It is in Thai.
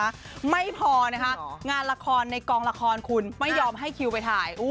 ไม่พอนะคะงานละครในกองละครคุณไม่ยอมให้คิวไปถ่าย